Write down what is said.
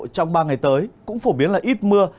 trong ba ngày tới cũng phổ biến là ít mưa